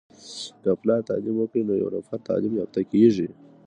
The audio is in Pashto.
که پلار تعليم وکړی نو یو نفر تعليم يافته کیږي.